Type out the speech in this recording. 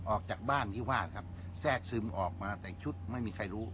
ออกจากบ้านที่วาดครับแทรกซึมออกมาแต่งชุดไม่มีใครรู้